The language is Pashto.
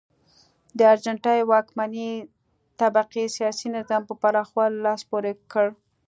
د ارجنټاین واکمنې طبقې سیاسي نظام په پراخولو لاس پورې کړ.